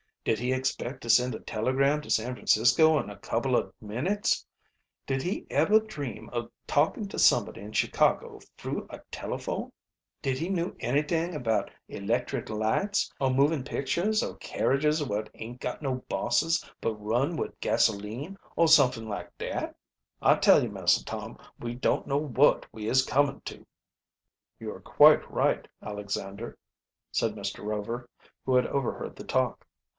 Did he expect to send a telegram to San Francisco in a couple ob minutes? Did he eber dream ob talkin' to sumboddy in Chicago froo a telephone? Did he knew anyt'ing about electric lights, or movin' pictures, or carriages wot aint got no bosses, but run wid gasoline or sumfing like dat? I tell yo, Massah Tom, we don't know wot we is comin' to!" "You are quite right, Alexander," said Mr. Rover, who had overheard the talk.